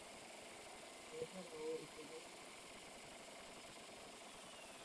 এছাড়াও উপজেলাতে ক্ষুদ্র কিছু কুঠির শিল্প রয়েছে।